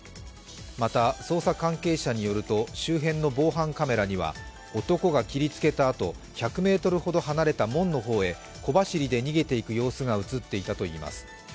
また、捜査関係者によると周辺の防犯カメラには男が切りつけたあと、１００ｍほど離れた門の方へ小走りで逃げていく様子が映っていたといいます。